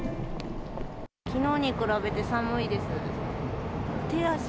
きのうに比べて寒いです。